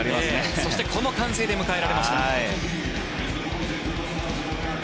そして、この歓声で迎えられました。